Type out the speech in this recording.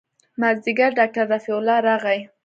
مازديګر ډاکتر رفيع الله راغى.